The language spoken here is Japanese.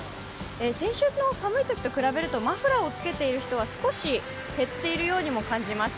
先週の寒いときと比べるとマフラーを着けている人は少し減っている要にも感じます。